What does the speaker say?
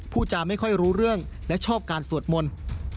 ผู้จาไม่ค่อยรู้เรื่องและชอบการสวดมนต์